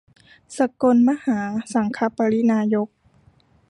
สกลมหาสังฆปริณายก